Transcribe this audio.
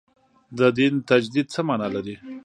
د دین تجدید څه معنا لري.